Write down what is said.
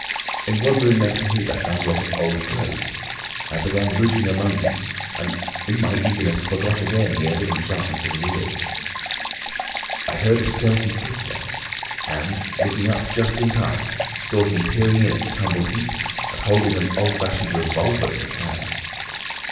In one room next to his I found a lot of old clothes. I began routing among these, and in my eagerness forgot again the evident sharpness of his ears. I heard a stealthy footstep and, looking up just in time, saw him peering in at the tumbled heap and holding an old fashioned revolver in his hand.